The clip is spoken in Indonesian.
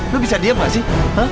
lo bisa diem nggak sih